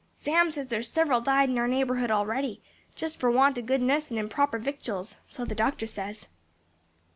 "Sam says there's several died in our neighborhood a'ready, just for want o' good nussin and proper victuals; so the doctor says."